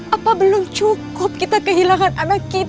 apa belum cukup kita kehilangan anak kita